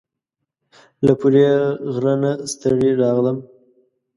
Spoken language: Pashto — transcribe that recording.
له پوري غره نه ستړي راغلم